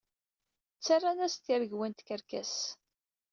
Ttarran-as-d tiregwa n tkerkas.